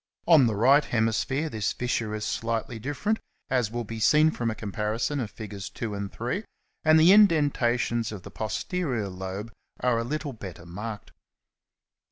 On the right hemisphere this fissure is slightly different, as will be seen from a comparison of figs. 2 and 3, and the indentations on the posterior lobe are a little better marked.